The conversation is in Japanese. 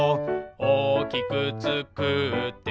「おおきくつくって」